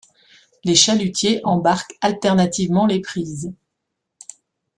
Les chalutiers embarquent alternativement les prises.